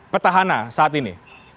petahana saat ini